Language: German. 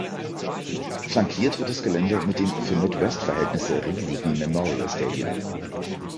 Flankiert wird das Gelände mit dem für Midwest-Verhältnisse riesigen Memorial Stadium.